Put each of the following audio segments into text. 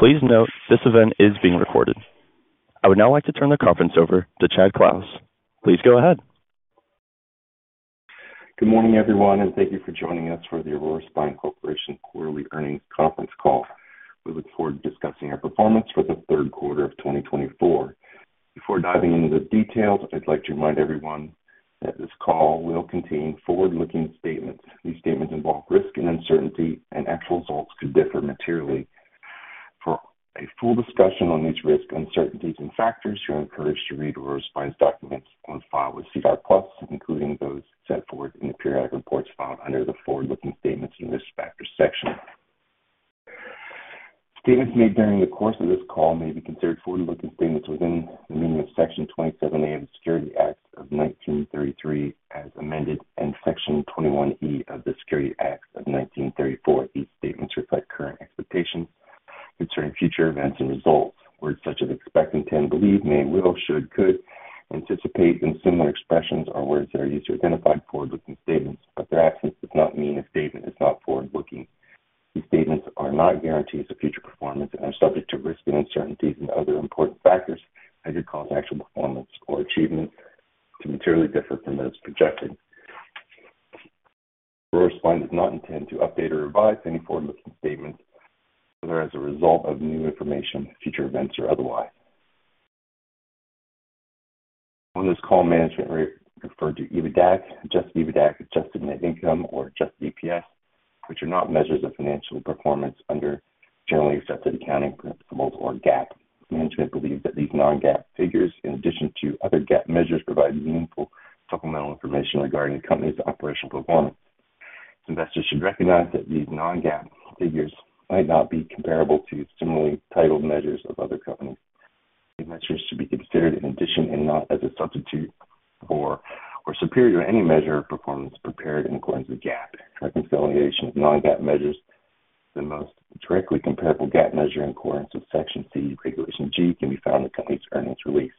Please note, this event is being recorded. I would now like to turn the conference over to Chad Clouse. Please go ahead. Good morning, everyone, and thank you for joining us for the Aurora Spine Corporation quarterly earnings conference call. We look forward to discussing our performance for the third quarter of 2024. Before diving into the details, I'd like to remind everyone that this call will contain forward-looking statements. These statements involve risk and uncertainty, and actual results could differ materially. For a full discussion on these risks, uncertainties and factors, you're encouraged to read Aurora Spine's documents on file with SEDAR+, including those set forth in the periodic reports filed under the forward-looking statements and risk factors section. Statements made during the course of this call may be considered forward-looking statements within the meaning of Section 27A of the Securities Act of 1933, as amended, and Section 21E of the Securities Act of 1934. These statements reflect current expectations concerning future events and results. Words such as expect, intend, believe, may, will, should, could, anticipate and similar expressions are words that are used to identify forward-looking statements, but their absence does not mean a statement is not forward-looking. These statements are not guarantees of future performance and are subject to risks and uncertainties and other important factors that could cause actual performance or achievement to materially differ from those projected. Aurora Spine does not intend to update or revise any forward-looking statements, whether as a result of new information, future events or otherwise. On this call, management referred to EBITDA, adjusted EBITDA, adjusted net income or adjusted EPS, which are not measures of financial performance under generally accepted accounting principles or GAAP. Management believes that these non-GAAP figures, in addition to other GAAP measures, provide meaningful supplemental information regarding the company's operational performance. Investors should recognize that these non-GAAP figures might not be comparable to similarly titled measures of other companies. These measures should be considered in addition and not as a substitute for or superior to any measure of performance prepared in accordance with GAAP. A reconciliation of non-GAAP measures, the most directly comparable GAAP measure in accordance with Section C, Regulation G, can be found in the company's earnings release.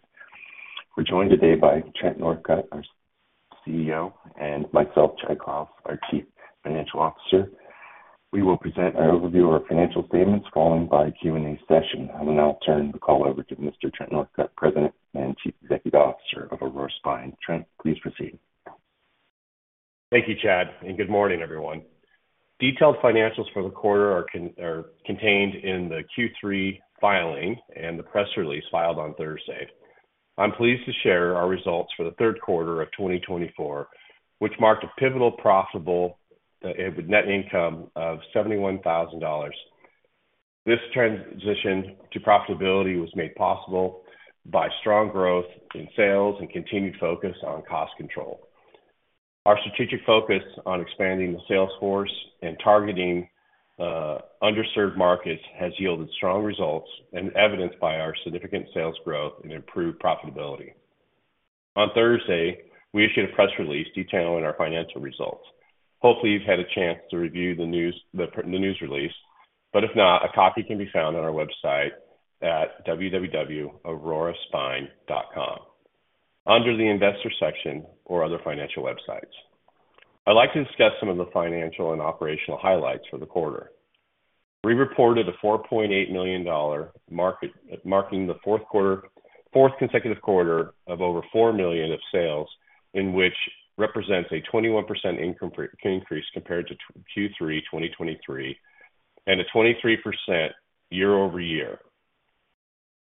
We're joined today by Trent Northcutt, our CEO, and myself, Chad Clouse, our Chief Financial Officer. We will present our overview of our financial statements, followed by a Q&A session. I will now turn the call over to Mr. Trent Northcutt, President and Chief Executive Officer of Aurora Spine. Trent, please proceed. Thank you, Chad, and good morning, everyone. Detailed financials for the quarter are contained in the Q3 filing and the press release filed on Thursday. I'm pleased to share our results for the third quarter of 2024, which marked a pivotal, profitable net income of $71,000. This transition to profitability was made possible by strong growth in sales and continued focus on cost control. Our strategic focus on expanding the sales force and targeting underserved markets has yielded strong results and evidenced by our significant sales growth and improved profitability. On Thursday, we issued a press release detailing our financial results. Hopefully, you've had a chance to review the news release, but if not, a copy can be found on our website at www.auroraspine.com, under the investor section or other financial websites. I'd like to discuss some of the financial and operational highlights for the quarter. We reported a $4.8 million revenue, marking the fourth consecutive quarter of over $4 million in sales, which represents a 21% increase compared to Q3 2023 and a 23% year-over-year.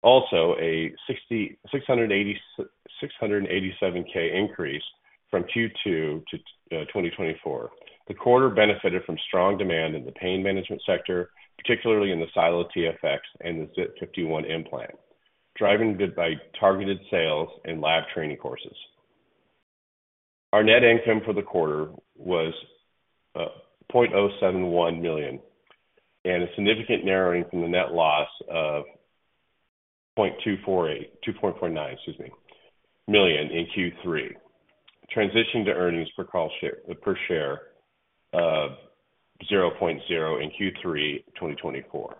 Also, a $687K increase from Q2 to 2024. The quarter benefited from strong demand in the pain management sector, particularly in the SiLO TFX and the ZIP 51 implant, driving by targeted sales and lab training courses. Our net income for the quarter was $0.071 million, and a significant narrowing from the net loss of $0.249 million, excuse me, in Q3, transitioning to earnings per common share of $0.00 in Q3 2024.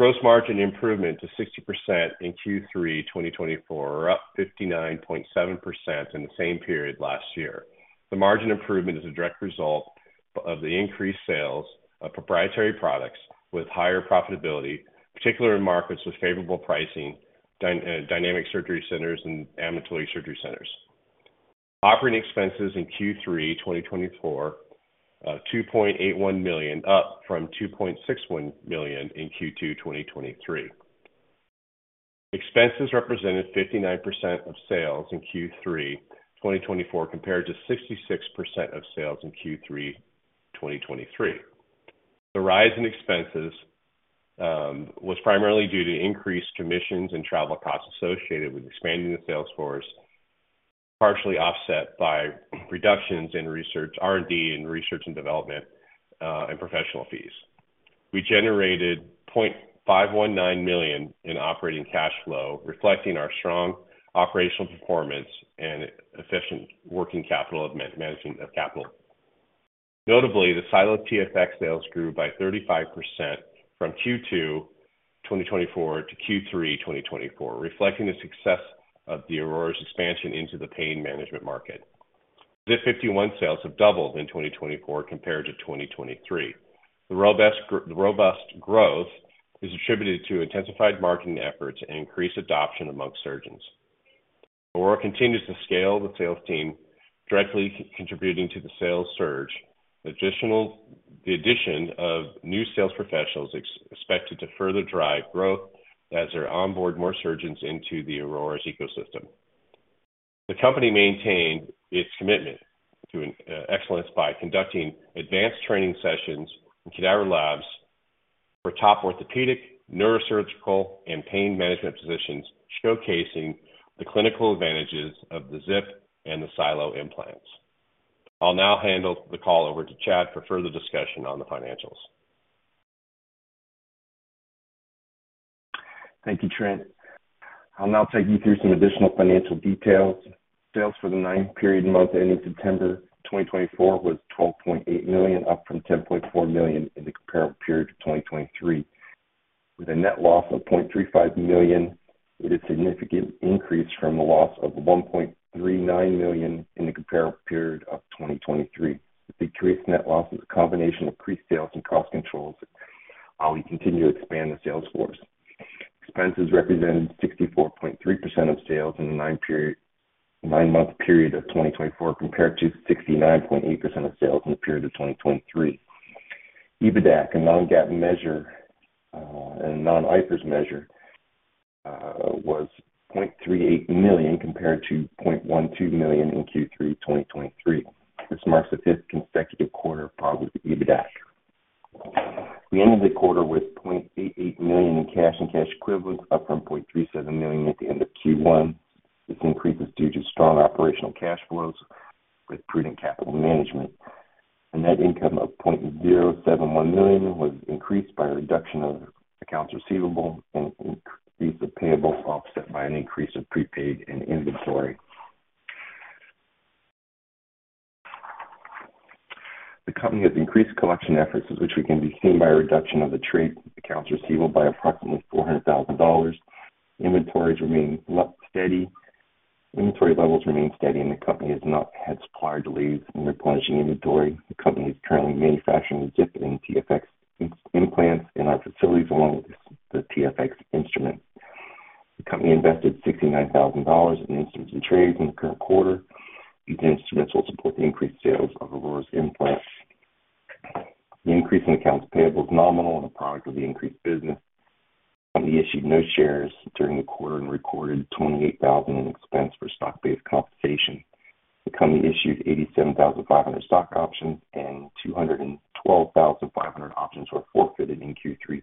Gross margin improvement to 60% in Q3 2024, up 59.7% in the same period last year. The margin improvement is a direct result of the increased sales of proprietary products with higher profitability, particularly in markets with favorable pricing, dynamic surgery centers and ambulatory surgery centers. Operating expenses in Q3 2024, $2.81 million, up from $2.61 million in Q2 2023. Expenses represented 59% of sales in Q3 2024, compared to 66% of sales in Q3 2023. The rise in expenses was primarily due to increased commissions and travel costs associated with expanding the sales force, partially offset by reductions in research, R&D and research and development, and professional fees. We generated $0.519 million in operating cash flow, reflecting our strong operational performance and efficient working capital management of capital. Notably, the SiLO TFX sales grew by 35% from Q2 2024 to Q3 2024, reflecting the success of the Aurora's expansion into the pain management market. The ZIP 51 sales have doubled in 2024 compared to 2023. The robust growth is attributed to intensified marketing efforts and increased adoption among surgeons. Aurora continues to scale the sales team, directly contributing to the sales surge. Additionally, the addition of new sales professionals expected to further drive growth as they onboard more surgeons into Aurora's ecosystem. The company maintained its commitment to excellence by conducting advanced training sessions in cadaver labs for top orthopedic, neurosurgical, and pain management physicians, showcasing the clinical advantages of the ZIP and the SiLO implants. I'll now hand the call over to Chad for further discussion on the financials. Thank you, Trent. I'll now take you through some additional financial details. Sales for the nine-month period ending September 2024 was $12.8 million, up from $10.4 million in the comparative period of 2023, with a net loss of $0.35 million, with a significant increase from the loss of $1.39 million in the comparative period of 2023. The decreased net loss is a combination of pre-sales and cost controls while we continue to expand the sales force. Expenses represented 64.3% of sales in the nine-month period of 2024, compared to 69.8% of sales in the period of 2023. EBITDA, a non-GAAP measure, and non-IFRS measure, was $0.38 million compared to $0.12 million in Q3 2023. This marks the fifth consecutive quarter of positive EBITDA. We ended the quarter with $0.88 million in cash and cash equivalents, up from $0.37 million at the end of Q1. This increase is due to strong operational cash flows with prudent capital management. A net income of $0.071 million was increased by a reduction of accounts receivable and increase of payable, offset by an increase of prepaid and inventory. The company has increased collection efforts, which can be seen by a reduction of the trade accounts receivable by approximately $400,000. Inventory levels remain steady, and the company has not had supplier delays in replenishing inventory. The company is currently manufacturing ZIP and TFX implants in our facilities, along with the TFX instrument. The company invested $69,000 in instruments and trays in the current quarter. These instruments will support the increased sales of Aurora's implants. The increase in accounts payable is nominal and a product of the increased business. The company issued no shares during the quarter and recorded $28,000 in expense for stock-based compensation. The company issued 87,500 stock options, and 212,500 options were forfeited in Q3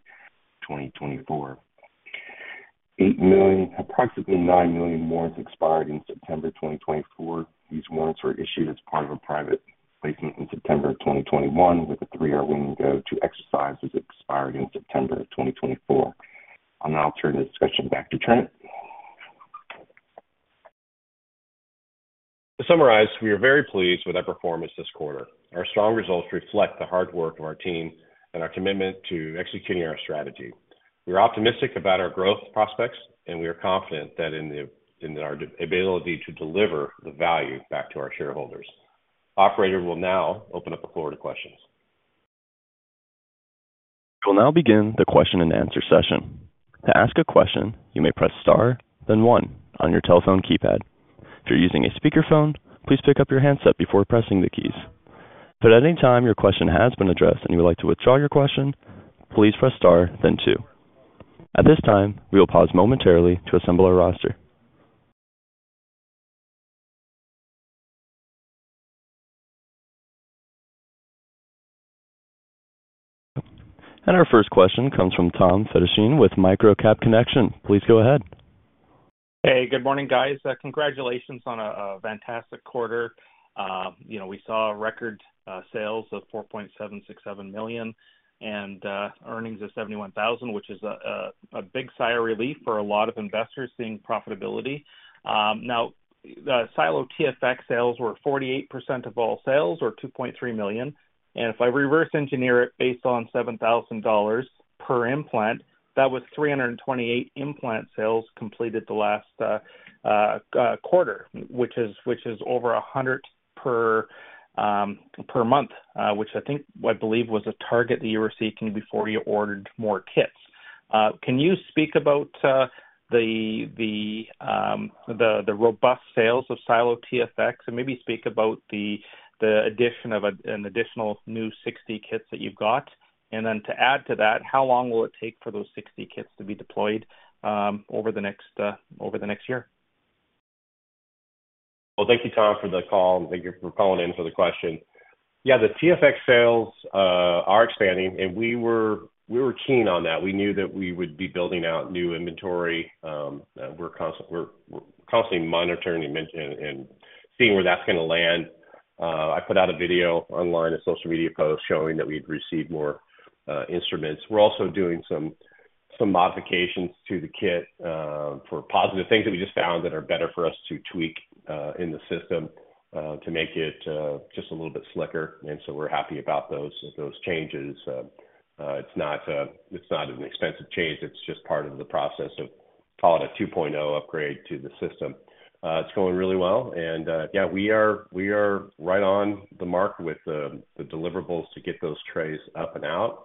2024. 8 million, approximately 9 million warrants expired in September 2024. These warrants were issued as part of a private placement in September 2021, with a three-year window to exercise, as expired in September 2024. I'll now turn the discussion back to Trent. To summarize, we are very pleased with our performance this quarter. Our strong results reflect the hard work of our team and our commitment to executing our strategy. We are optimistic about our growth prospects, and we are confident in our ability to deliver the value back to our shareholders. Operator, we'll now open up the floor to questions. We'll now begin the question-and-answer session. To ask a question, you may press star, then one on your telephone keypad. If you're using a speakerphone, please pick up your handset before pressing the keys. But at any time, your question has been addressed and you would like to withdraw your question, please press star then two. At this time, we will pause momentarily to assemble our roster. And our first question comes from Tom Fedichin with Microcap Connection. Please go ahead. Hey, good morning, guys. Congratulations on a fantastic quarter. You know, we saw record sales of $4.767 million and earnings of $71,000, which is a big sigh of relief for a lot of investors seeing profitability. Now, the SiLO TFX sales were 48% of all sales or $2.3 million, and if I reverse engineer it based on $7,000 per implant, that was 328 implant sales completed the last quarter, which is over 100 per month, which I think, I believe, was a target that you were seeking before you ordered more kits. Can you speak about the robust sales of SiLO TFX and maybe speak about the addition of an additional new sixty kits that you've got? And then to add to that, how long will it take for those sixty kits to be deployed over the next year? Thank you, Tom, for the call, and thank you for calling in for the question. Yeah, the TFX sales are expanding, and we were keen on that. We knew that we would be building out new inventory, and we're constantly monitoring and seeing where that's gonna land. I put out a video online, a social media post, showing that we'd received more instruments. We're also doing some modifications to the kit for positive things that we just found that are better for us to tweak in the system to make it just a little bit slicker, and so we're happy about those changes. It's not an extensive change. It's just part of the process of call it a 2.0 upgrade to the system. It's going really well, and yeah, we are right on the mark with the deliverables to get those trays up and out.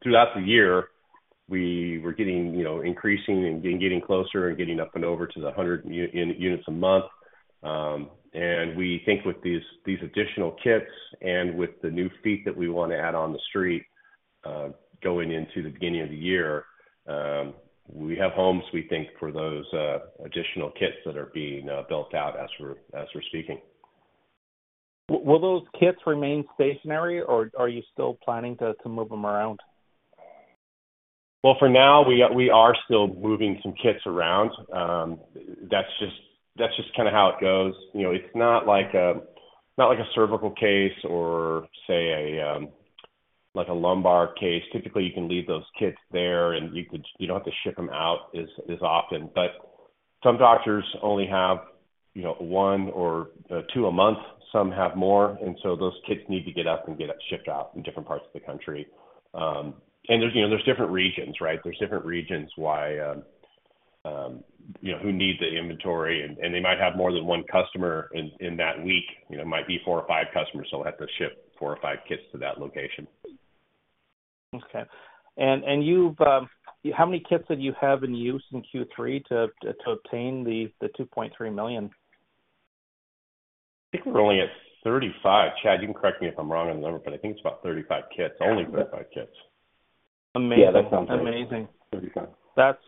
Throughout the year, we were getting, you know, increasing and getting closer and up and over to 100 units a month. And we think with these additional kits and with the new feet that we wanna add on the street, going into the beginning of the year, we have homes, we think, for those additional kits that are being built out as we're speaking. Will those kits remain stationary, or are you still planning to move them around? Well, for now, we are still moving some kits around. That's just kinda how it goes. You know, it's not like a cervical case or say a like a lumbar case. Typically, you can leave those kits there, and you could. You don't have to ship them out as often. But some doctors only have, you know, one or two a month. Some have more, and so those kits need to get up and get shipped out in different parts of the country. And there's, you know, there's different regions, right? There's different regions why, you know, who need the inventory, and they might have more than one customer in that week. You know, it might be four or five customers, so we'll have to ship four or five kits to that location. Okay. And how many kits did you have in use in Q3 to obtain the $2.3 million? I think we're only at 35. Chad, you can correct me if I'm wrong on the number, but I think it's about 35 kits. Only 35 kits. Amazing. Yeah, that sounds right. Amazing. 35.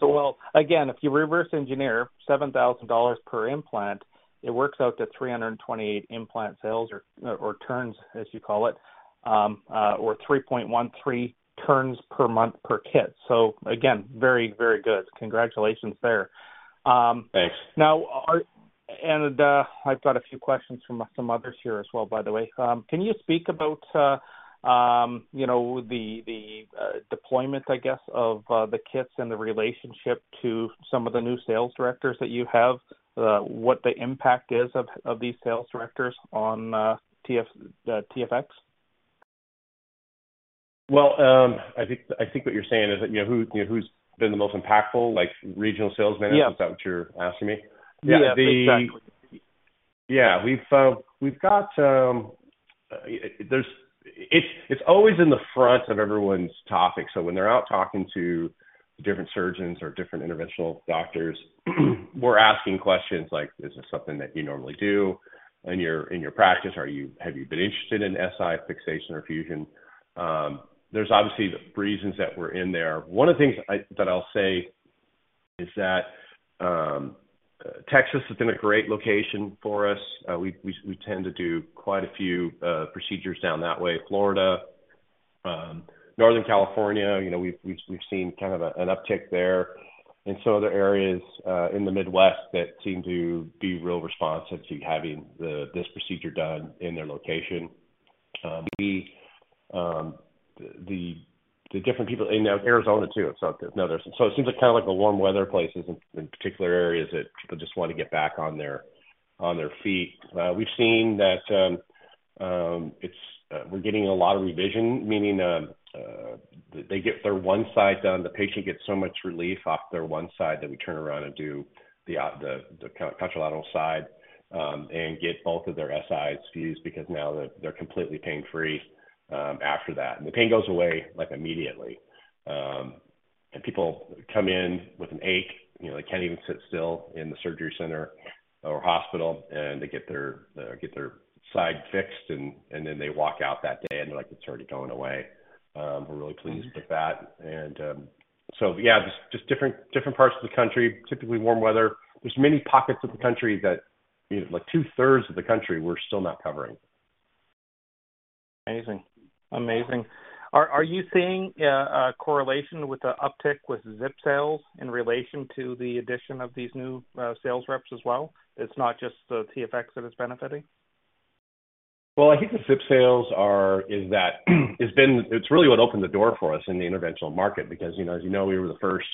Well, again, if you reverse engineer $7,000 per implant, it works out to 328 implant sales or turns, as you call it, or 3.13 turns per month per kit. So again, very, very good. Congratulations there. Thanks. Now, and I've got a few questions from some others here as well, by the way. Can you speak about, you know, the deployment, I guess, of the kits and the relationship to some of the new sales directors that you have? What the impact is of these sales directors on TFX? I think what you're saying is that, you know, who's been the most impactful, like regional sales managers? Yeah. Is that what you're asking me? Yeah. The- Exactly. Yeah, we've got, there's-- it's always in the front of everyone's topic, so when they're out talking to different surgeons or different interventional doctors, we're asking questions like: Is this something that you normally do in your practice? Are you-- have you been interested in SI fixation or Fusion? There's obviously the reasons that we're in there. One of the things that I'll say is that, Texas has been a great location for us. We tend to do quite a few procedures down that way. Florida, Northern California, you know, we've seen kind of an uptick there. And so other areas in the Midwest that seem to be real responsive to having this procedure done in their location. The different people in Arizona, too. It seems like kinda like the warm weather places in particular areas that people just wanna get back on their feet. We've seen that we're getting a lot of revision, meaning they get their one side done, the patient gets so much relief off their one side that we turn around and do the contralateral side and get both of their SIs fused because now they're completely pain-free after that. And the pain goes away, like, immediately. And people come in with an ache, you know, they can't even sit still in the surgery center or hospital, and they get their side fixed, and then they walk out that day, and they're like: It's already going away. We're really pleased with that. Different parts of the country, typically warm weather. There's many pockets of the country that, you know, like two-thirds of the country we're still not covering. Amazing. Amazing. Are you seeing a correlation with the uptick with zip sales in relation to the addition of these new sales reps as well? It's not just the TFX that is benefiting. I think the ZIP sales, it's been. It's really what opened the door for us in the interventional market because, you know, as you know, we were the first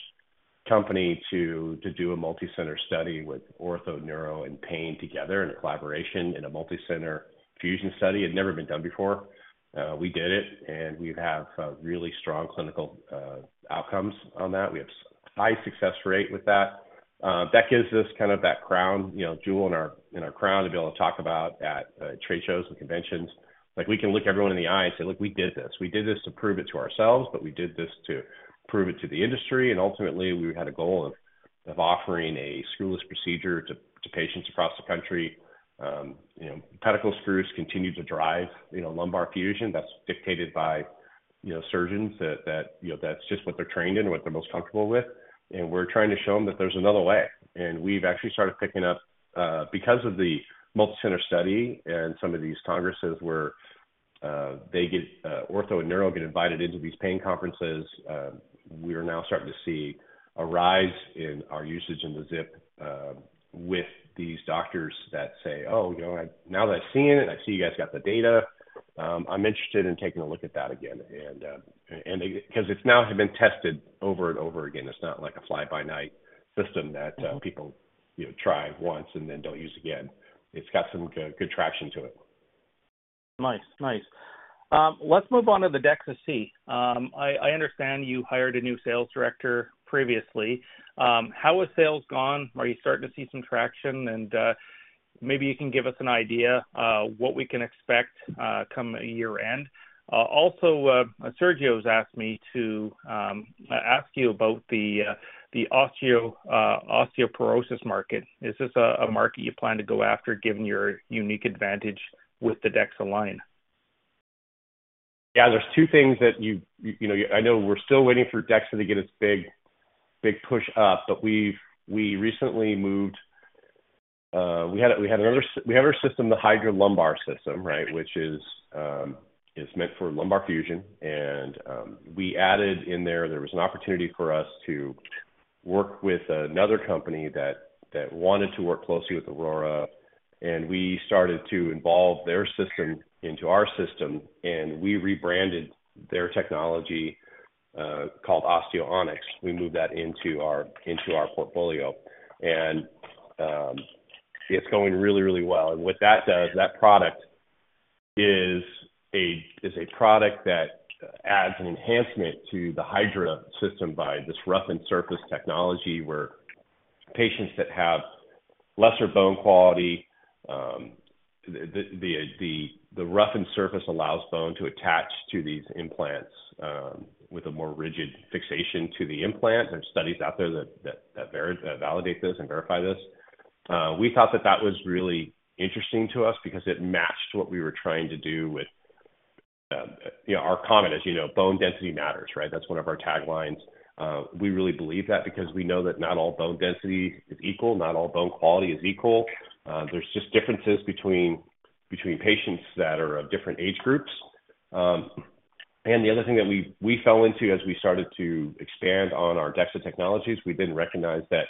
company to do a multicenter study with ortho, neuro, and pain together in a collaboration in a multicenter fusion study. It had never been done before. We did it, and we have a really strong clinical outcomes on that. We have high success rate with that. That gives us kind of that crown, you know, jewel in our crown to be able to talk about at trade shows and conventions. Like, we can look everyone in the eye and say: Look, we did this. We did this to prove it to ourselves, but we did this to prove it to the industry, and ultimately, we had a goal of offering a screwless procedure to patients across the country. You know, pedicle screws continue to drive, you know, lumbar fusion. That's dictated by, you know, surgeons that you know, that's just what they're trained in and what they're most comfortable with, and we're trying to show them that there's another way. And we've actually started picking up because of the multicenter study and some of these congresses where ortho and neuro get invited into these pain conferences. We are now starting to see a rise in our usage in the ZIP with these doctors that say: "Oh, you know, I now that I've seen it, I see you guys got the data. I'm interested in taking a look at that again." And they 'Cause it's now been tested over and over again. It's not like a fly-by-night system that people you know try once and then don't use again. It's got some good good traction to it. Nice, nice. Let's move on to the DEXA-C. I understand you hired a new sales director previously. How has sales gone? Are you starting to see some traction? And maybe you can give us an idea of what we can expect come year-end. Also, Sergio has asked me to ask you about the osteoporosis market. Is this a market you plan to go after, given your unique advantage with the DEXA line? Yeah, there's two things that you know, I know we're still waiting for DEXA to get its big, big push up, but we've recently moved. We have our system, the Hydra Lumbar system, right? Which is meant for lumbar fusion. And there was an opportunity for us to work with another company that wanted to work closely with Aurora, and we started to involve their system into our system, and we rebranded their technology called Osteo Onyx. We moved that into our portfolio, and it's going really, really well. What that does, that product is a product that adds an enhancement to the Hydra system by this roughened surface technology, where patients that have lesser bone quality, the roughened surface allows bone to attach to these implants, with a more rigid fixation to the implant. There are studies out there that validate this and verify this. We thought that that was really interesting to us because it matched what we were trying to do with, you know, our comment, as you know, bone density matters, right? That's one of our taglines. We really believe that because we know that not all bone density is equal, not all bone quality is equal. There's just differences between patients that are of different age groups. And the other thing that we fell into as we started to expand on our DEXA technologies, we didn't recognize that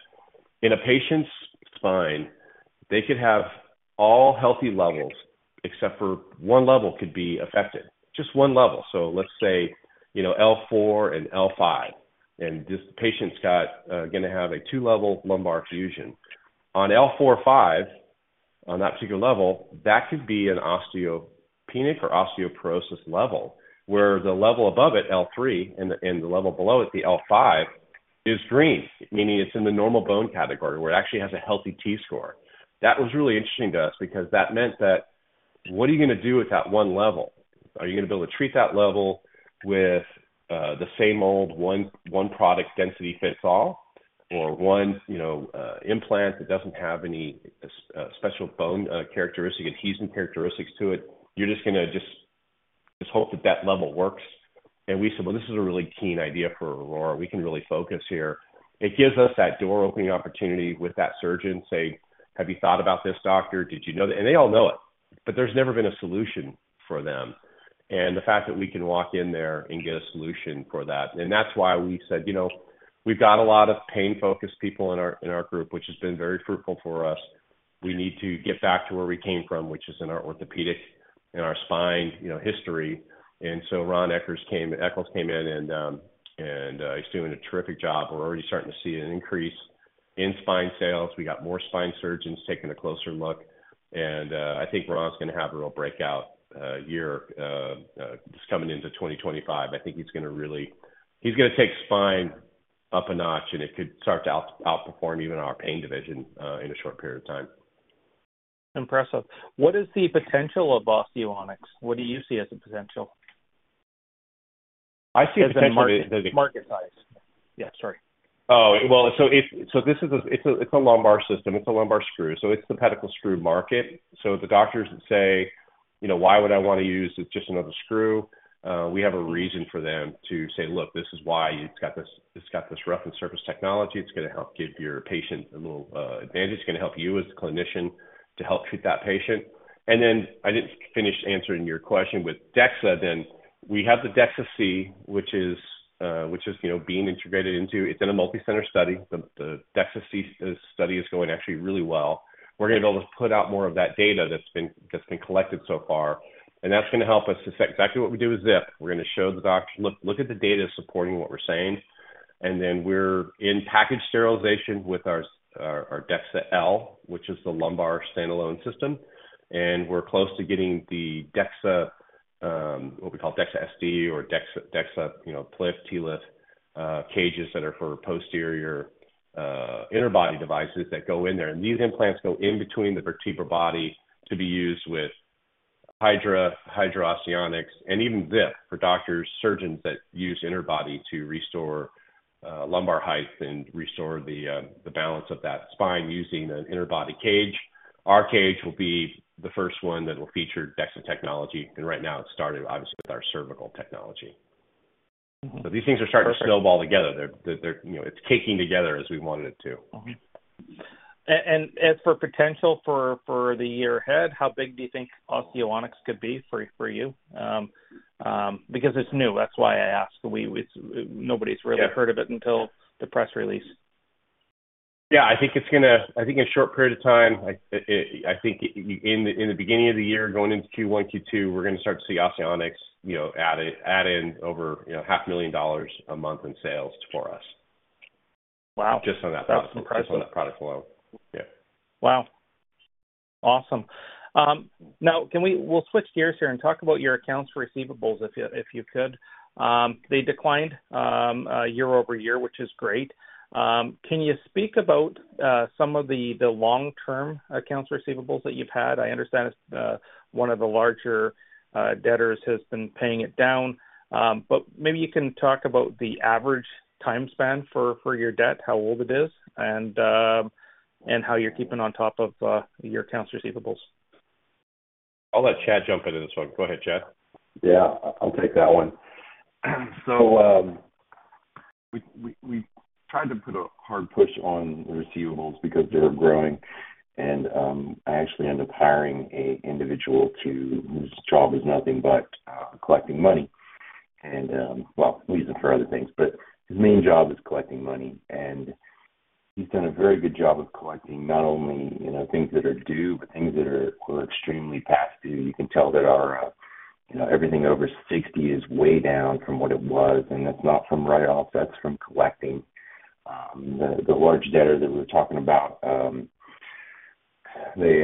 in a patient's spine, they could have all healthy levels, except for one level could be affected. Just one level. So let's say, you know, L4 and L5, and this patient's got gonna have a two-level lumbar fusion. On L4-5, on that particular level, that could be an osteopenic or osteoporosis level, where the level above it, L3, and the level below it, the L5, is green, meaning it's in the normal bone category, where it actually has a healthy T-Score. That was really interesting to us because that meant that what are you gonna do with that one level? Are you gonna be able to treat that level with the same old one product density fits all, or one, you know, implant that doesn't have any special bone characteristic, adhesion characteristics to it? You're just gonna hope that that level works. And we said, "Well, this is a really keen idea for Aurora. We can really focus here." It gives us that door-opening opportunity with that surgeon, say, "Have you thought about this, doctor? Did you know that..." And they all know it, but there's never been a solution for them. And the fact that we can walk in there and get a solution for that, and that's why we said, you know, we've got a lot of pain-focused people in our group, which has been very fruitful for us. We need to get back to where we came from, which is in our orthopedic and our spine, you know, history. And so Ron Eccles came in and he's doing a terrific job. We're already starting to see an increase in spine sales. We got more spine surgeons taking a closer look, and I think Ron's gonna have a real breakout year just coming into 2025. I think he's gonna really. He's gonna take spine up a notch, and it could start to outperform even our pain division in a short period of time. Impressive. What is the potential of Osteo Onyx? What do you see as the potential? I see a potential- Market size. Yeah, sorry. This is a lumbar system, it's a lumbar screw, so it's the pedicle screw market. The doctors say, you know, "Why would I want to use just another screw?" We have a reason for them to say, "Look, this is why. It's got this roughened surface technology. It's gonna help give your patient a little advantage. It's gonna help you as a clinician to help treat that patient." And then I didn't finish answering your question with DEXA then. We have the DEXA-C, which is, you know, being integrated into... It's in a multicenter study. The DEXA-C study is going actually really well. We're gonna be able to put out more of that data that's been collected so far, and that's gonna help us to say exactly what we do with ZIP. We're gonna show the doctor, "Look, look at the data supporting what we're saying." And then we're in package sterilization with our DEXA-L, which is the lumbar standalone system, and we're close to getting the DEXA, what we call DEXA-SD or DEXA, you know, PLIF, TLIF, cages that are for posterior interbody devices that go in there. And these implants go in between the vertebral body to be used with Hydra, Hydra Osteo Onyx, and even ZIP, for doctors, surgeons that use interbody to restore lumbar height and restore the balance of that spine using an interbody cage. Our cage will be the first one that will feature DEXA technology, and right now it's started, obviously, with our cervical technology. Mm-hmm. These things are starting. Perfect. To snowball together. They're, you know, it's caking together as we wanted it to. Mm-hmm. And as for potential for the year ahead, how big do you think Osteo Onyx could be for you? Because it's new, that's why I asked. It's nobody's really heard of it until the press release. Yeah, I think it's gonna. I think in a short period of time, like, I think in the beginning of the year, going into Q1, Q2, we're gonna start to see Osteo Onyx, you know, add in over, you know, $500,000 a month in sales for us. Wow! Just on that product. That's impressive. Just on the product alone. Yeah. Wow. Awesome. Now, can we-- we'll switch gears here and talk about your accounts receivables, if you could. They declined year over year, which is great. Can you speak about some of the long-term accounts receivables that you've had? I understand one of the larger debtors has been paying it down. But maybe you can talk about the average time span for your debt, how old it is, and how you're keeping on top of your accounts receivables. I'll let Chad jump into this one. Go ahead, Chad. Yeah, I'll take that one, so we tried to put a hard push on the receivables because they were growing, and I actually end up hiring an individual whose job is nothing but collecting money, and well, we use him for other things, but his main job is collecting money, and he's done a very good job of collecting, not only, you know, things that are due, but things that are extremely past due. You can tell that our, you know, everything over 60 is way down from what it was, and that's not from write-offs, that's from collecting. The large debtor that we were talking about, they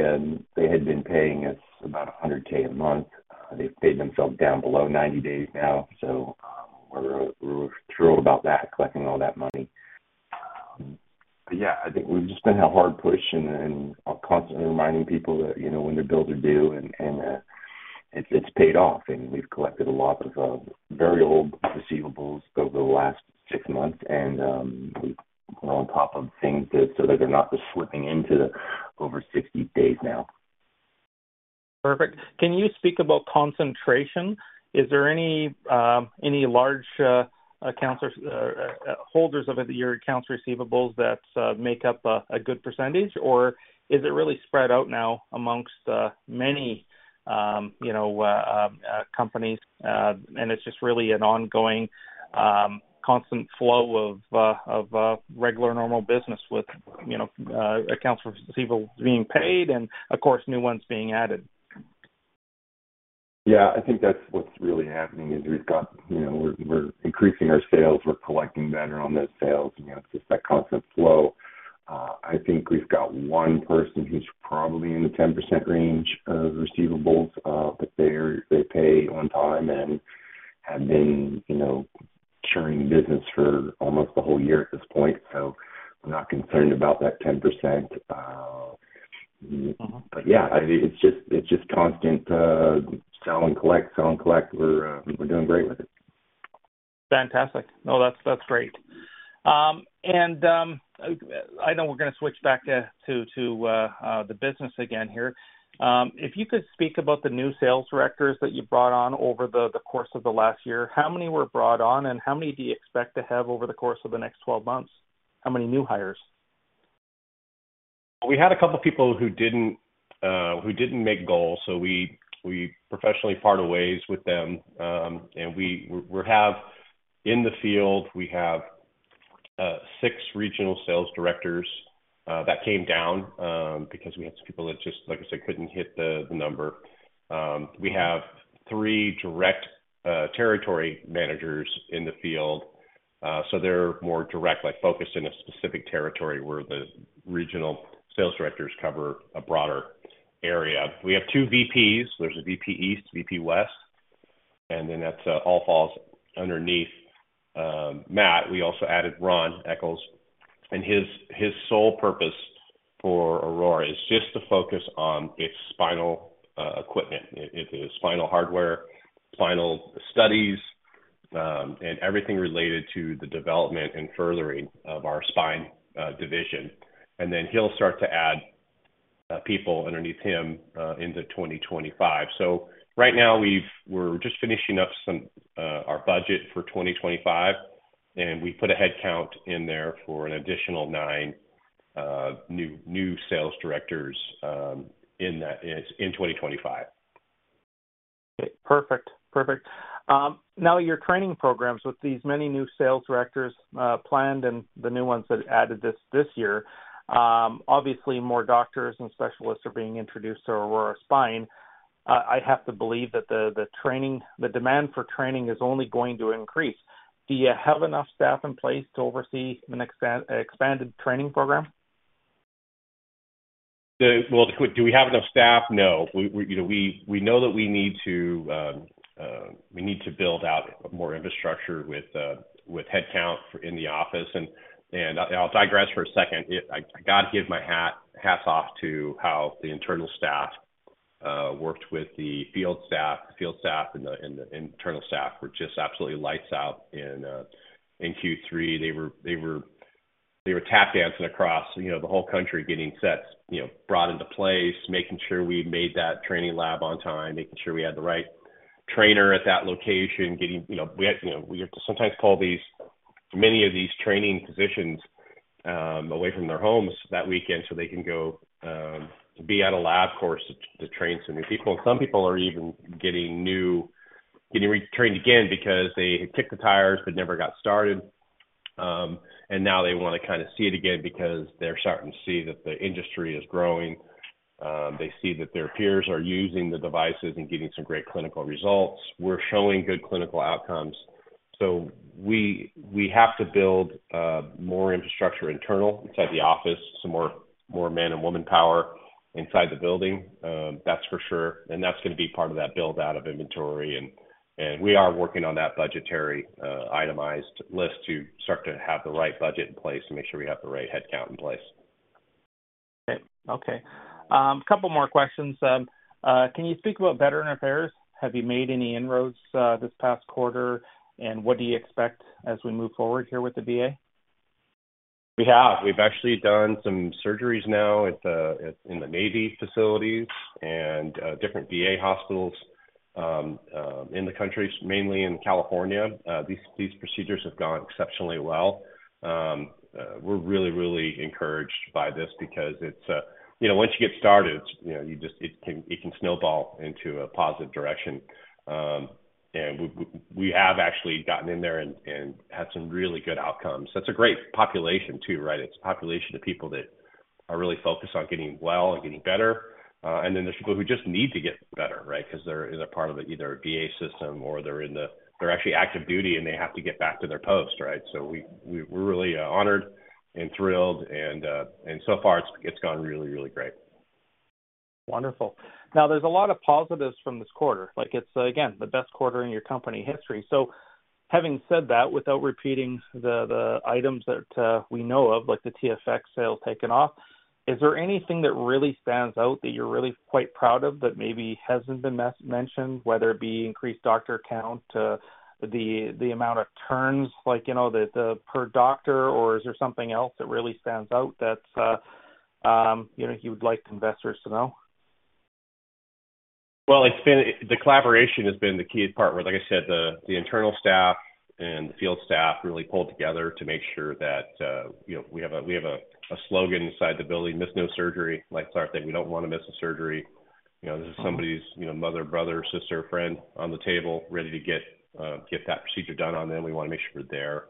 had been paying us about $100,000 a month. They've paid themselves down below 90 days now, so we're thrilled about that, collecting all that money. But yeah, I think we've just been a hard push and constantly reminding people that, you know, when their bills are due and it's paid off, and we've collected a lot of very old receivables over the last six months, and we've been on top of things so that they're not just slipping into the over 60 days now. Perfect. Can you speak about concentration? Is there any large accounts or holders of your accounts receivables that make up a good percentage? Or is it really spread out now amongst many, you know, companies, and it's just really an ongoing constant flow of regular normal business with, you know, accounts receivables being paid and, of course, new ones being added? Yeah, I think that's what's really happening, is we've got, you know, we're increasing our sales, we're collecting better on those sales, and it's just that constant flow. I think we've got one person who's probably in the 10% range of receivables, but they're. They pay on time and have been, you know, churning business for almost a whole year at this point, so I'm not concerned about that 10%. Mm-hmm. But yeah, I mean, it's just, it's just constant sell and collect, sell and collect. We're doing great with it. Fantastic. No, that's, that's great. I know we're gonna switch back to the business again here. If you could speak about the new sales directors that you brought on over the course of the last year, how many were brought on, and how many do you expect to have over the course of the next twelve months? How many new hires? We had a couple people who didn't make goals, so we professionally parted ways with them. We have in the field six regional sales directors. That came down because we had some people that just, like I said, couldn't hit the number. We have three direct territory managers in the field, so they're more direct, like focused in a specific territory, where the regional sales directors cover a broader area. We have two VPs, there's a VP East, VP West, and then that all falls underneath Matt. We also added Ron Eccles, and his sole purpose for Aurora is just to focus on its spinal equipment, its spinal hardware, spinal studies, and everything related to the development and furthering of our spine division. And then he'll start to add people underneath him into 2025. So right now we're just finishing up our budget for 2025, and we put a headcount in there for an additional nine new sales directors in 2025. Okay, perfect. Perfect. Now, your training programs with these many new sales directors, planned and the new ones that added this year, obviously, more doctors and specialists are being introduced to Aurora Spine. I have to believe that the training, the demand for training is only going to increase. Do you have enough staff in place to oversee an expanded training program? Do we have enough staff? No. We, you know, we know that we need to build out more infrastructure with headcount in the office. And I'll digress for a second. I gotta give my hats off to how the internal staff worked with the field staff. The field staff and the internal staff were just absolutely lights out in Q3. They were tap dancing across, you know, the whole country, getting sets, you know, brought into place, making sure we made that training lab on time, making sure we had the right trainer at that location. You know, we have to sometimes call many of these training positions away from their homes that weekend so they can go be at a lab course to train some new people. Some people are even getting retrained again because they kicked the tires but never got started, and now they want to kind of see it again because they're starting to see that the industry is growing. They see that their peers are using the devices and getting some great clinical results. We're showing good clinical outcomes. So we have to build more infrastructure internal inside the office, some more man and woman power inside the building. That's for sure, and that's gonna be part of that build-out of inventory, and we are working on that budgetary itemized list to start to have the right budget in place to make sure we have the right headcount in place. Okay. A couple more questions. Can you speak about Veterans Affairs? Have you made any inroads, this past quarter, and what do you expect as we move forward here with the VA? We have. We've actually done some surgeries now at the Navy facilities and in different VA hospitals in the country, mainly in California. These procedures have gone exceptionally well. We're really, really encouraged by this because it's, you know, once you get started, you know, you just, it can, it can snowball into a positive direction. And we have actually gotten in there and had some really good outcomes. That's a great population too, right? It's a population of people that are really focused on getting well and getting better, and then there's people who just need to get better, right? Because they're in a part of either a VA system or they're actually active duty, and they have to get back to their post, right? So we're really honored and thrilled, and so far, it's gone really, really great. Wonderful. Now, there's a lot of positives from this quarter. Like, it's, again, the best quarter in your company history. So having said that, without repeating the items that we know of, like the TFX sale taking off, is there anything that really stands out that you're really quite proud of that maybe hasn't been mentioned, whether it be increased doctor count, the amount of turns, like, you know, the per doctor, or is there something else that really stands out that you would like investors to know? It's been the collaboration has been the key part where, like I said, the internal staff and the field staff really pulled together to make sure that, you know, we have a slogan inside the building, "Missed no surgery." Like I said, we don't wanna miss a surgery. You know, this is somebody's, you know, mother, brother, sister, friend on the table, ready to get that procedure done on them. We wanna make sure we're there.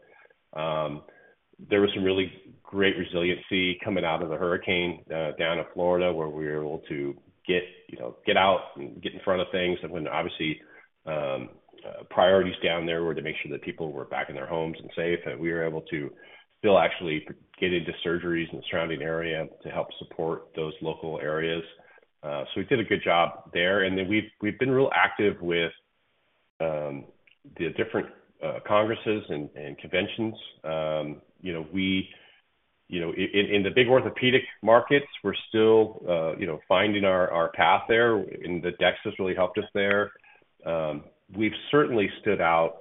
There was some really great resiliency coming out of the hurricane down in Florida, where we were able to, you know, get out and get in front of things. And when, obviously, priorities down there were to make sure that people were back in their homes and safe, and we were able to still actually get into surgeries in the surrounding area to help support those local areas. So we did a good job there. And then we've been real active with the different congresses and conventions. You know, we, you know, in the big orthopedic markets, we're still, you know, finding our path there, and the DEX has really helped us there. We've certainly stood out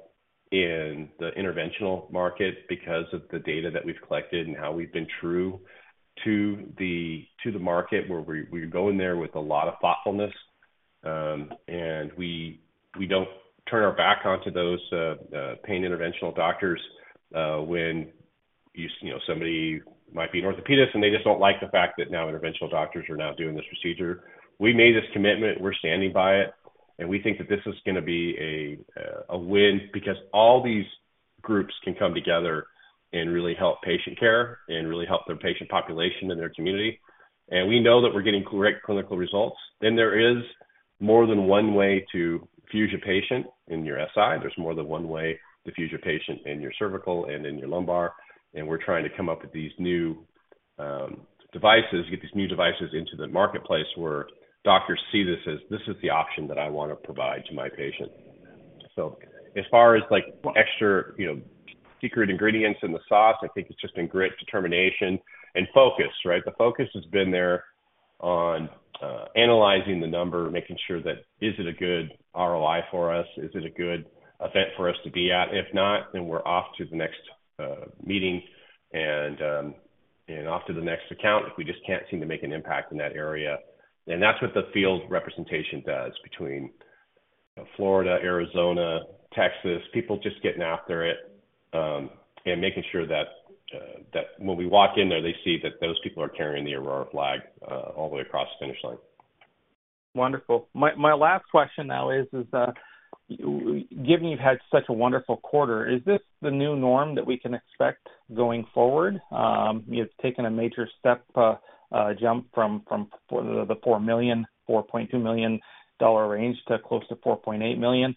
in the interventional market because of the data that we've collected and how we've been true to the market, where we go in there with a lot of thoughtfulness. And we don't turn our back onto those interventional pain doctors when you know somebody might be an orthopedist and they just don't like the fact that now interventional doctors are now doing this procedure. We made this commitment. We're standing by it and we think that this is gonna be a win because all these groups can come together and really help patient care and really help their patient population and their community. And we know that we're getting great clinical results. Then there is more than one way to fuse a patient in your SI. There's more than one way to fuse your patient in your cervical and in your lumbar, and we're trying to come up with these new devices, get these new devices into the marketplace, where doctors see this as, this is the option that I wanna provide to my patient. So as far as, like, extra, you know, secret ingredients in the sauce, I think it's just been great determination and focus, right? The focus has been there on analyzing the number, making sure that, is it a good ROI for us? Is it a good event for us to be at? If not, then we're off to the next meeting and off to the next account, if we just can't seem to make an impact in that area. And that's what the field representation does between Florida, Arizona, Texas. People just getting after it, and making sure that when we walk in there, they see that those people are carrying the Aurora flag all the way across the finish line. Wonderful. My last question now is, given you've had such a wonderful quarter, is this the new norm that we can expect going forward? You've taken a major step, jump from the $4 million, $4.2 million dollar range to close to $4.8 million.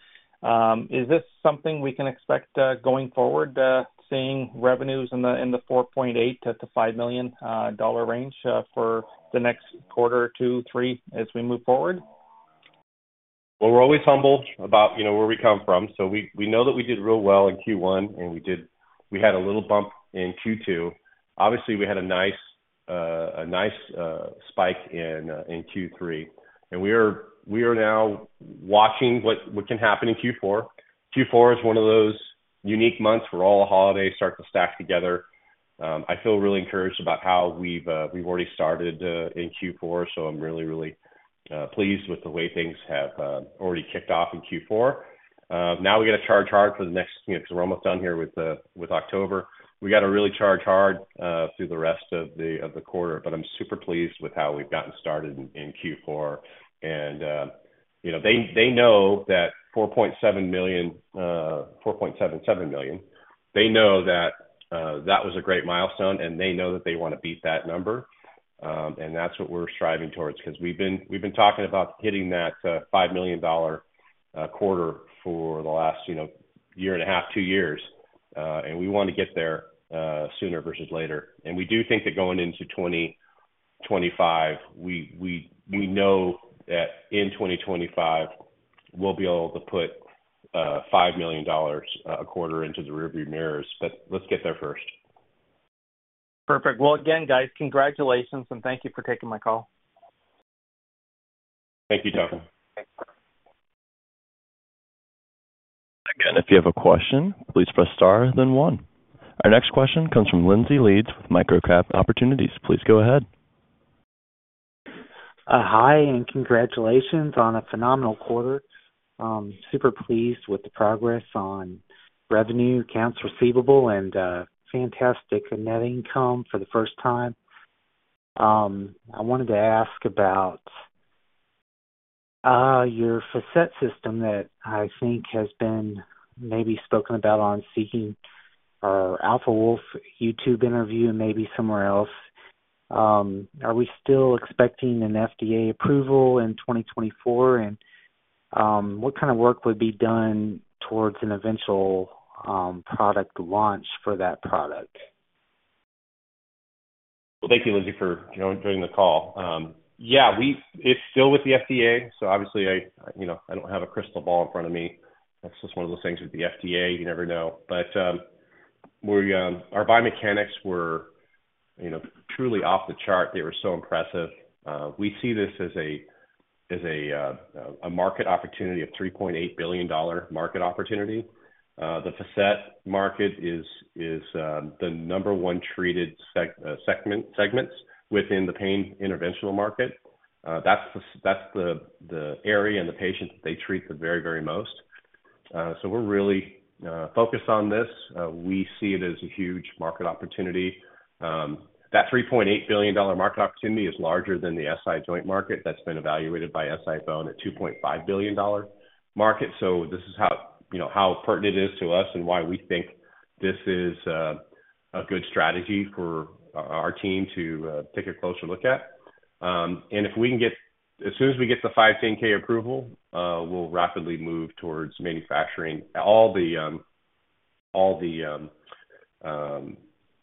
Is this something we can expect going forward, seeing revenues in the $4.8 million-$5 million dollar range for the next quarter or two, three as we move forward? Well, we're always humble about, you know, where we come from, so we know that we did real well in Q1, and we had a little bump in Q2. Obviously, we had a nice spike in Q3, and we are now watching what can happen in Q4. Q4 is one of those unique months where all the holidays start to stack together. I feel really encouraged about how we've already started in Q4, so I'm really pleased with the way things have already kicked off in Q4. Now we've got to charge hard for the next... You know, because we're almost done here with October. We got to really charge hard through the rest of the quarter, but I'm super pleased with how we've gotten started in Q4. And you know, they know that $4.7 million, $4.77 million, they know that that was a great milestone, and they know that they wanna beat that number. And that's what we're striving towards because we've been talking about hitting that $5 million quarter for the last, you know, year and a half, two years, and we wanna get there sooner versus later. And we do think that going into 2025, we know that in 2025, we'll be able to put $5 million a quarter into the rearview mirrors, but let's get there first. Perfect. Well, again, guys, congratulations, and thank you for taking my call. Thank you, Tony. Again, if you have a question, please press star, then one. Our next question comes from Lindsay Leeds with Microcap Opportunities. Please go ahead. Hi, and congratulations on a phenomenal quarter. Super pleased with the progress on revenue, accounts receivable, and fantastic net income for the first time. I wanted to ask about your facet system that I think has been maybe spoken about on Seeking Alpha Wolf YouTube interview, and maybe somewhere else. Are we still expecting an FDA approval in 2024? And what kind of work would be done towards an eventual product launch for that product? Thank you, Lindsay, for, you know, joining the call. Yeah, it's still with the FDA, so obviously I, you know, I don't have a crystal ball in front of me. That's just one of those things with the FDA, you never know. But, our biomechanics were, you know, truly off the chart. They were so impressive. We see this as a market opportunity, a $3.8 billion market opportunity. The facet market is the number one treated segment within the pain interventional market. That's the area and the patients they treat the very most. So we're really focused on this. We see it as a huge market opportunity. That $3.8 billion market opportunity is larger than the SI joint market that's been evaluated by SI-BONE at $2.5 billion market. So this is how, you know, how pertinent it is to us and why we think this is a good strategy for our team to take a closer look at. And as soon as we get the 510(k) approval, we'll rapidly move towards manufacturing all the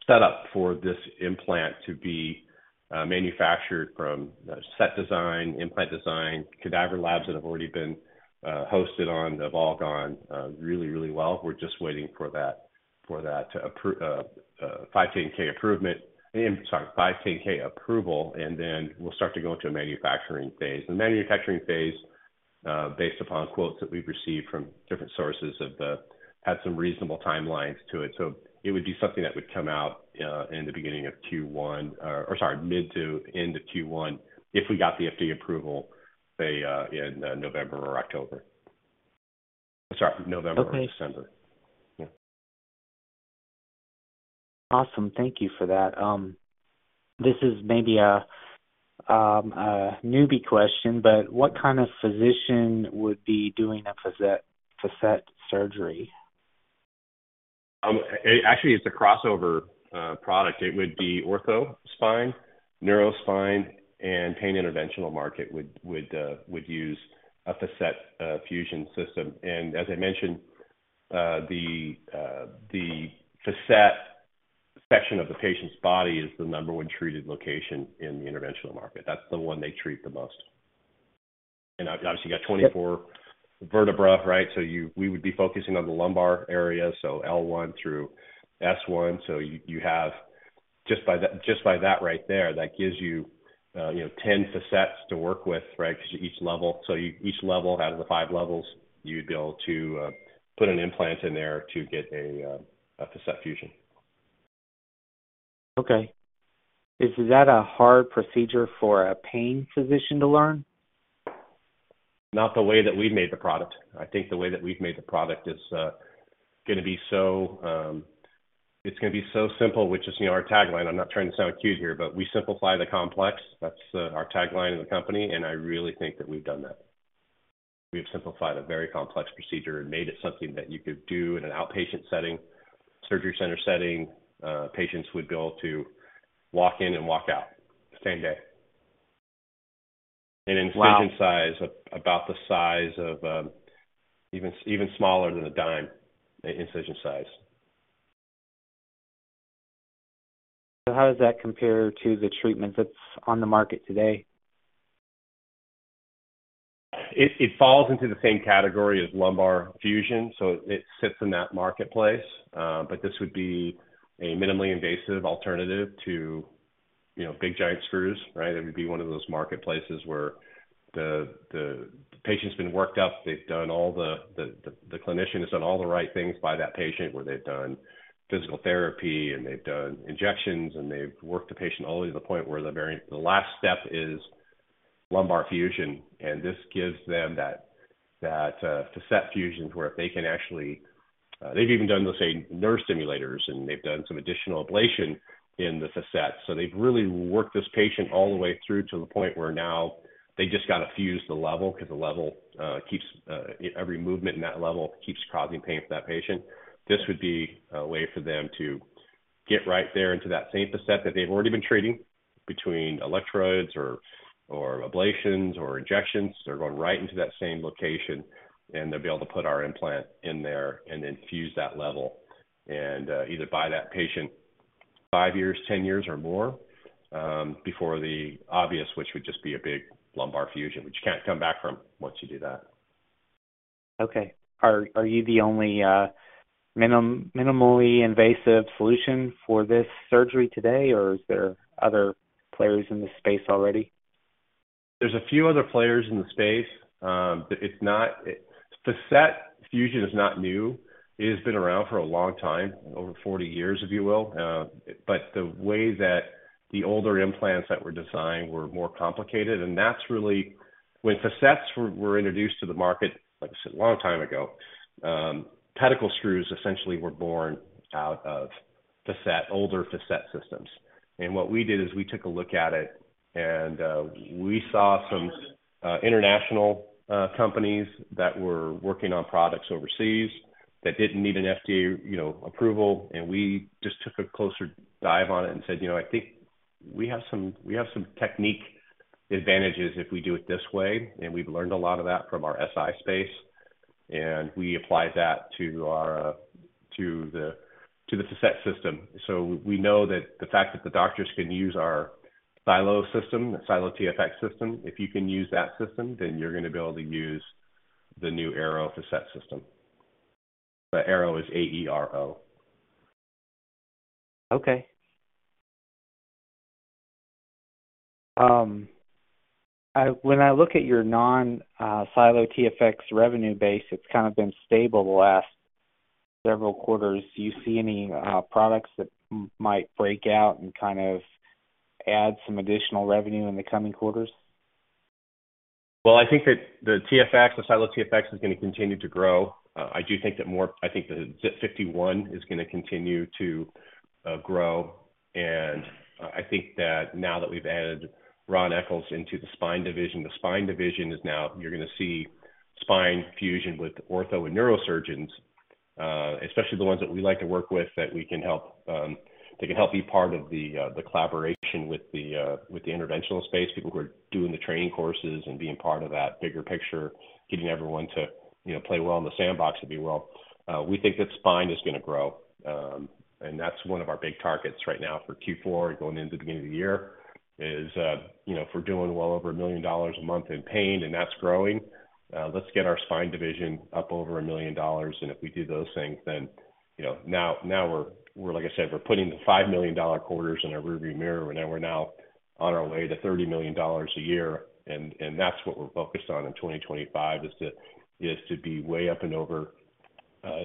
setup for this implant to be manufactured from set design, implant design, cadaver labs that have already been hosted on. They've all gone really, really well. We're just waiting for that 510(k) approval, and then we'll start to go into a manufacturing phase. The manufacturing phase, based upon quotes that we've received from different sources, have had some reasonable timelines to it. So it would be something that would come out in the beginning of Q1, or sorry, mid to end of Q1, if we got the FDA approval, say, in November or October. Sorry, November or December. Okay. Awesome. Thank you for that. This is maybe a newbie question, but what kind of physician would be doing a facet surgery? Actually, it's a crossover product. It would be ortho spine, neuro spine, and pain interventional market would use a facet fusion system. And as I mentioned, the facet section of the patient's body is the number one treated location in the interventional market. That's the one they treat the most. And obviously, you got 24 vertebrae, right? So we would be focusing on the lumbar area, so L1 through S1. So you have just by that right there, that gives you, you know, ten facets to work with, right? Because each level out of the five levels, you'd be able to put an implant in there to get a facet fusion. Okay. Is that a hard procedure for a pain physician to learn? Not the way that we've made the product. I think the way that we've made the product is gonna be so, it's gonna be so simple, which is, you know, our tagline. I'm not trying to sound cute here, but we simplify the complex. That's our tagline in the company, and I really think that we've done that. We've simplified a very complex procedure and made it something that you could do in an outpatient setting, surgery center setting. Patients would be able to walk in and walk out the same day. Wow! Incision size about the size of even smaller than a dime, the incision size. So how does that compare to the treatment that's on the market today? It falls into the same category as lumbar fusion, so it sits in that marketplace. But this would be a minimally invasive alternative to, you know, big, giant screws, right? It would be one of those marketplaces where the patient's been worked up, they've done all the right things by that patient, where they've done physical therapy, and they've done injections, and they've worked the patient all the way to the point where the very last step is lumbar fusion. And this gives them that facet fusion, where they can actually... They've even done, let's say, nerve stimulators, and they've done some additional ablation in the facet. They've really worked this patient all the way through to the point where now they just got to fuse the level, because the level keeps every movement in that level keeps causing pain for that patient. This would be a way for them to get right there into that same facet that they've already been treating between electrodes or ablations or injections. They're going right into that same location, and they'll be able to put our implant in there and then fuse that level, and either buy that patient five years, ten years, or more before the obvious, which would just be a big lumbar fusion, which you can't come back from once you do that. Okay. Are you the only minimally invasive solution for this surgery today, or is there other players in this space already? There's a few other players in the space, but it's not. Facet fusion is not new. It has been around for a long time, over forty years, if you will, but the way that the older implants that were designed were more complicated, and that's really when facets were introduced to the market, like I said, a long time ago, pedicle screws essentially were born out of facet, older facet systems. What we did is we took a look at it, and we saw some international companies that were working on products overseas that didn't need an FDA, you know, approval, and we just took a closer dive on it and said, "You know, I think we have some, we have some technique advantages if we do it this way," and we've learned a lot of that from our SI space, and we applied that to our to the facet system. So we know that the fact that the doctors can use our SiLO TFX system, the SiLO TFX system, if you can use that system, then you're gonna be able to use the new AERO Facet system. The AERO is A-E-R-O. Okay. When I look at your non SiLO TFX revenue base, it's kind of been stable the last several quarters. Do you see any products that might break out and kind of add some additional revenue in the coming quarters? I think that the SiLO TFX is gonna continue to grow. I do think that the 51 is gonna continue to grow, and I think that now that we've added Ron Eccles into the spine division, the spine division is now. You're gonna see spine fusion with ortho and neurosurgeons, especially the ones that we like to work with, that we can help, they can help be part of the collaboration with the interventional space, people who are doing the training courses and being part of that bigger picture, getting everyone to, you know, play well in the sandbox, if you will. We think that spine is gonna grow, and that's one of our big targets right now for Q4 and going into the beginning of the year. You know, if we're doing well over $1 million a month in pain, and that's growing, let's get our spine division up over $1 million. And if we do those things, then, you know, now we're like I said, we're putting the $5 million quarters in our rearview mirror, and then we're now on our way to $30 million a year. That's what we're focused on in 2025, is to be way up and over,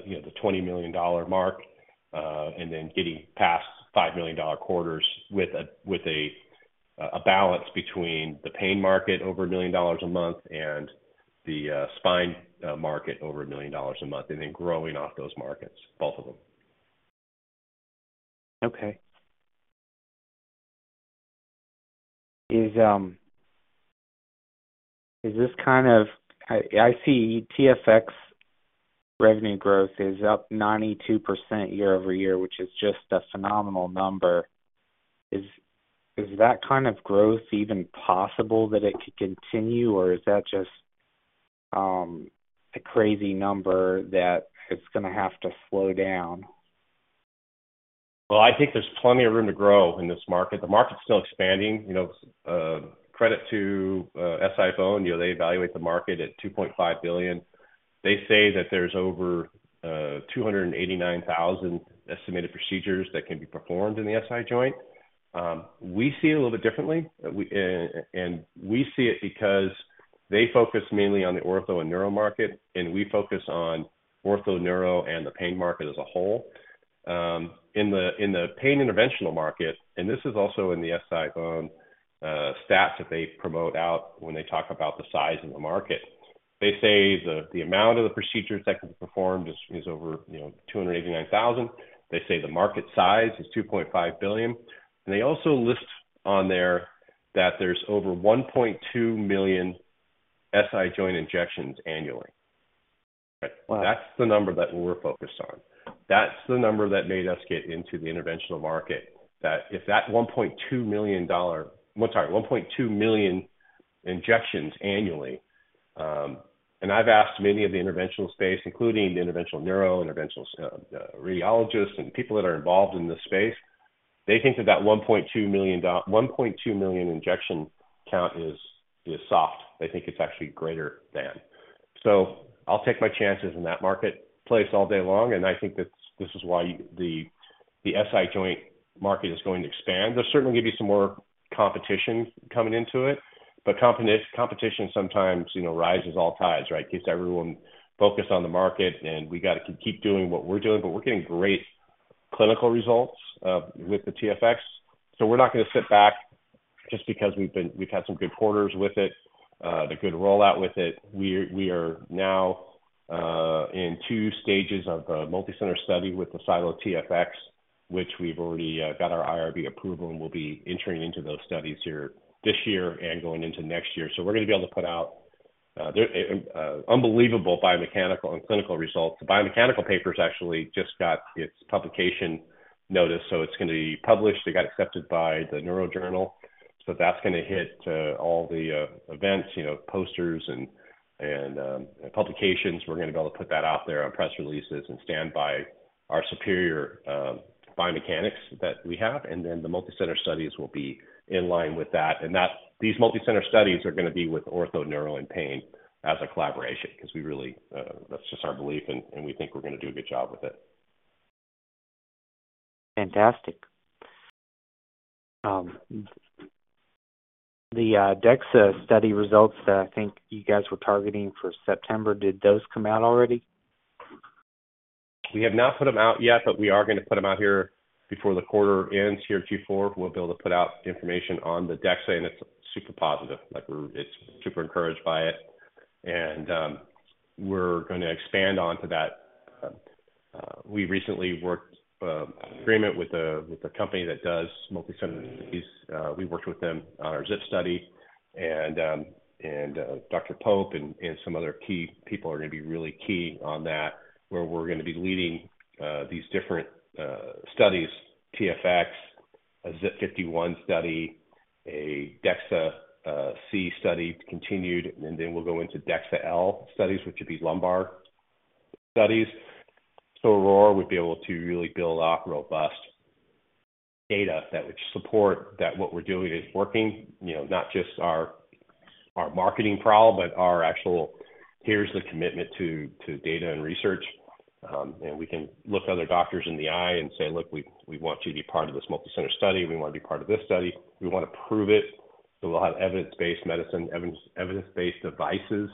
you know, the $20 million mark, and then getting past $5 million quarters with a balance between the pain market over $1 million a month and the spine market over $1 million a month, and then growing off those markets, both of them. Okay. Is, is this kind of... I, I see TFX revenue growth is up 92% year over year, which is just a phenomenal number. Is, is that kind of growth even possible that it could continue, or is that just a crazy number that it's gonna have to slow down? Well, I think there's plenty of room to grow in this market. The market's still expanding. You know, credit to SI-BONE, you know, they evaluate the market at $2.5 billion. They say that there's over 289,000 estimated procedures that can be performed in the SI joint. We see it a little bit differently. We, and we see it because they focus mainly on the ortho and neuro market, and we focus on ortho, neuro, and the pain market as a whole. In the pain interventional market, and this is also in the SI-BONE stats that they promote out when they talk about the size of the market. They say the amount of the procedures that can be performed is over, you know, 289,000. They say the market size is $2.5 billion, and they also list on there that there's over 1.2 million SI joint injections annually. Wow! That's the number that we're focused on. That's the number that made us get into the interventional market, that if that one point two million dollar-- I'm sorry, one point two million injections annually, and I've asked many of the interventional space, including the interventional neuro, interventional radiologists and people that are involved in this space, they think that that one point two million injection count is soft. They think it's actually greater than. So I'll take my chances in that marketplace all day long, and I think that's this is why the SI joint market is going to expand. There'll certainly going to be some more competition coming into it, but competition sometimes, you know, rises all tides, right? Keeps everyone focused on the market, and we got to keep doing what we're doing, but we're getting great clinical results with the SiLO TFX. So we're not gonna sit back just because we've had some good quarters with it, the good rollout with it. We're, we are now in two stages of a multicenter study with the SiLO TFX, which we've already got our IRB approval, and we'll be entering into those studies here this year and going into next year. So we're gonna be able to put out unbelievable biomechanical and clinical results. The biomechanical papers actually just got its publication notice, so it's gonna be published. It got accepted by the Neuro Journal, so that's gonna hit all the events, you know, posters and publications. We're gonna be able to put that out there on press releases and stand by our superior, biomechanics that we have, and then the multicenter studies will be in line with that. And that these multicenter studies are gonna be with ortho, neuro, and pain as a collaboration, because we really, that's just our belief, and we think we're gonna do a good job with it. Fantastic. The DEXA study results, I think you guys were targeting for September. Did those come out already? We have not put them out yet, but we are gonna put them out here before the quarter ends, here at Q4. We'll be able to put out information on the DEXA, and it's super positive. Like, we're super encouraged by it, and we're gonna expand onto that. We recently worked agreement with a company that does multicenter studies. We worked with them on our ZIP study, and Dr. Pope and some other key people are gonna be really key on that, where we're gonna be leading these different studies, SiLO TFX, a ZIP 51 study, a DEXA-C study continued, and then we'll go into DEXA-L studies, which would be lumbar studies. So Aurora would be able to really build off robust data that would support that what we're doing is working, you know, not just our marketing problem, but our actual here's the commitment to data and research. And we can look other doctors in the eye and say, "Look, we want you to be part of this multicenter study. We want to be part of this study. We want to prove it." We'll have evidence-based medicine, evidence-based devices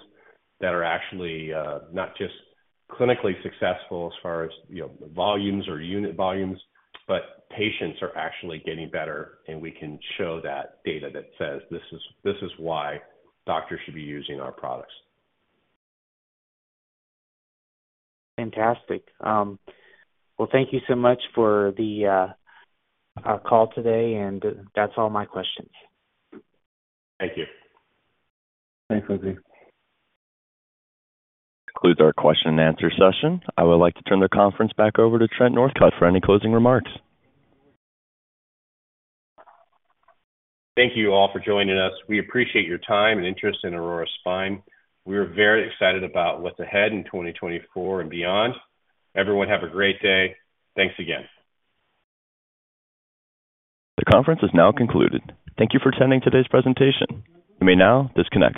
that are actually not just clinically successful as far as, you know, volumes or unit volumes, but patients are actually getting better, and we can show that data that says, this is why doctors should be using our products. Fantastic. Well, thank you so much for our call today, and that's all my questions. Thank you. Thanks, Lindsay. Concludes our question and answer session. I would like to turn the conference back over to Trent Northcutt for any closing remarks. Thank you all for joining us. We appreciate your time and interest in Aurora Spine. We are very excited about what's ahead in 2024 and beyond. Everyone, have a great day. Thanks again. The conference is now concluded. Thank you for attending today's presentation. You may now disconnect.